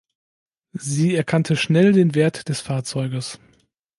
Sie erkannte schnell den Wert des Fahrzeuges.